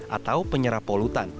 atau penyerap polutan